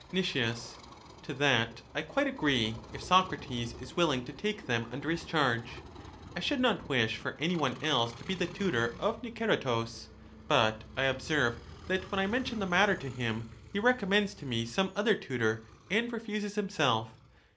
Nic, To that I quite agree, if Socrates is willing to take them under his charge. I should not wish for any one else to be the tutor of Niceratus. But I observe that when I mention the matter to him he recommends to me some other tutor and refuses him self.